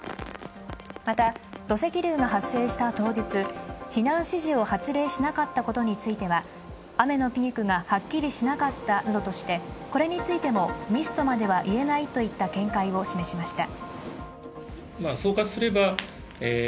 また、土石流が発生した当日、避難指示を発令しなかったことについては雨のピークがはっきりしなかったなどとしてこれについてもミスとまでは言えないといった見解を示しました。